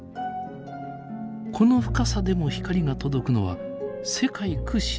この深さでも光が届くのは世界屈指の透明度だからこそ。